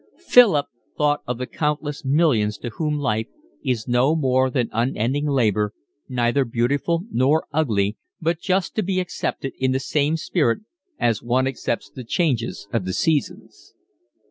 Philip thought of the countless millions to whom life is no more than unending labour, neither beautiful nor ugly, but just to be accepted in the same spirit as one accepts the changes of the seasons.